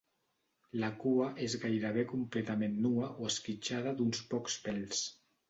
La cua és gairebé completament nua o esquitxada d'uns pocs pèls.